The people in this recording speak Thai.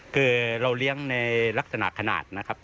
คือเราเลี้ยงในลักษณะขนาดนะครับ